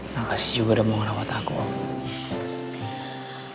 makasih juga udah mau ngerawat aku abah